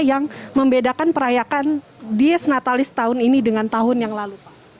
yang membedakan perayakan desnatalis tahun ini dengan tahun yang lalu